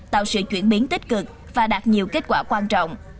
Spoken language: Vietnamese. tạo sự chuyển biến tích cực và đạt nhiều kết quả quan trọng